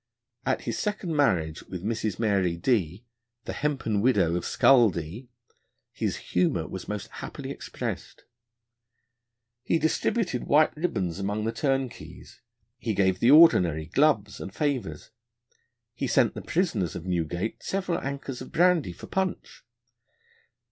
At his second marriage with Mrs. Mary D n, the hempen widow of Scull D n, his humour was most happily expressed: he distributed white ribbons among the turnkeys, he gave the Ordinary gloves and favours, he sent the prisoners of Newgate several ankers of brandy for punch.